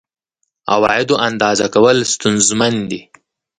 عوایدو اندازه کول ستونزمن دي.